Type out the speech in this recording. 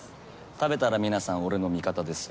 食べたら皆さん俺の味方ですよ。